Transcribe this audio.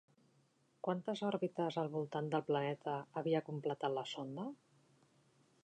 Quantes òrbites al voltant del planeta havia completat la sonda?